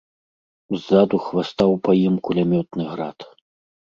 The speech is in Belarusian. Ззаду хвастаў па ім кулямётны град.